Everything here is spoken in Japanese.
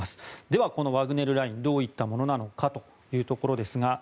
では、このワグネルラインどういったものなのかですが。